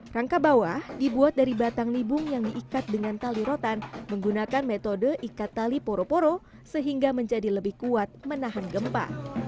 rangka bawah dibuat dari batang libung yang diikat dengan tali rotan menggunakan metode ikat tali poro poro sehingga menjadi lebih kuat menahan gempa